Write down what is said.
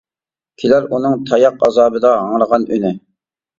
كېلەر ئۇنىڭ تاياق ئازابىدا ھاڭرىغان ئۈنى.